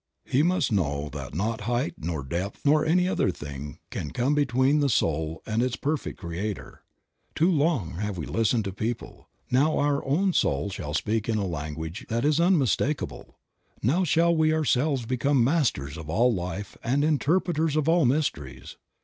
He must know that not height, nor depth, nor any other thing, can come between the soul and its perfect Creator. Too long have we listened to people ; now our own soul shall speak in a language that is unmistakable; now shall we ourselves become masters of all life and interpreters of all mysteries.